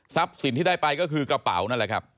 สินที่ได้ไปก็คือกระเป๋านั่นแหละครับ